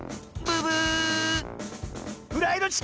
ブブー！